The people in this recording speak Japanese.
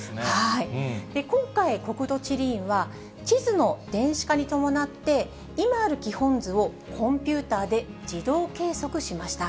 今回、国土地理院は、地図の電子化に伴って、今ある基本図をコンピューターで自動計測しました。